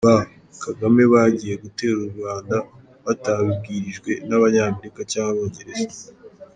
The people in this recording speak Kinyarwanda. Ba « Kagame bagiye gutera u Rwanda batabibwirijwe n’Abanyamerika cyangwa Abongereza !